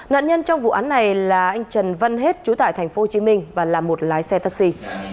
nạn nhân trong vụ án này là anh trần văn hết trú tại thành phố hồ chí minh và là một lái xe taxi